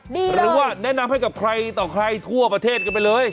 หรือว่าแนะนำให้กับใครต่อใครทั่วประเทศกันไปเลย